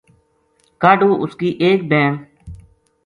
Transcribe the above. کاہڈو اس کی ایک بہن